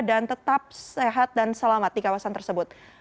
dan tetap sehat dan selamat di kawasan tersebut